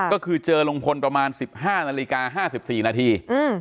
ก็คือเจอลุงพลประมาณ๑๕นาฬิกา๕๔นาที